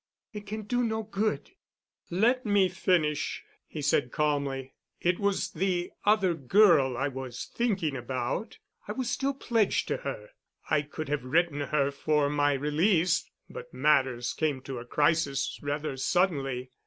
It can do no good." "Let me finish," he said calmly. "It was the other girl I was thinking about. I was still pledged to her. I could have written her for my release—but matters came to a crisis rather suddenly.